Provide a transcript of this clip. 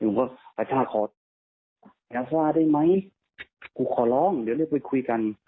ผมก็ก็ทราบอย่าซ่าได้ไม่ผมขอร้องเดี๋ยวเรียกไปคุยกัน